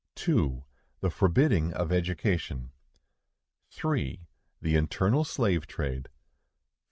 _ 2. The forbidding of education. 3. The internal slave trade. 4.